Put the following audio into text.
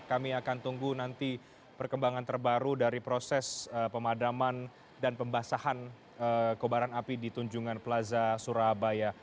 kami akan tunggu nanti perkembangan terbaru dari proses pemadaman dan pembasahan kebaran api di tunjungan plaza surabaya